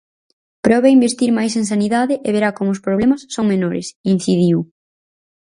"Probe a investir máis en sanidade e verá como os problemas son menores", incidiu.